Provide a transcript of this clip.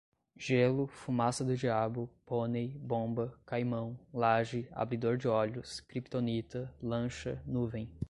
gelo, fumaça do diabo, pônei, bomba, caimão, laje, abridor de olhos, kryptonita, lancha, nuvem